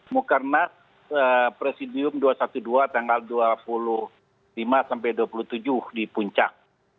mukernas presidium dua ratus dua belas tanggal dua puluh lima sampai dua puluh tujuh di puncak